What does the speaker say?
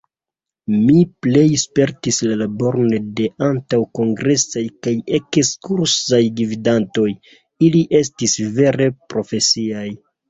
Mi plej spertis la laboron de antaŭkongresaj kaj ekskursaj gvidantoj: ili estis vere profesiaj.